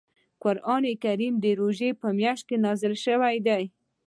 قران کریم د روژې په میاشت کې نازل شوی دی .